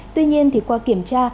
tuy nhiên qua kiểm tra